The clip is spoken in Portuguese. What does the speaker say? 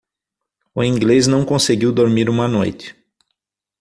O inglês não conseguiu dormir uma noite.